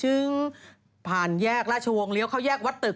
ผ่านแยกราชวงศ์เลี้ยวเข้าแยกวัดตึก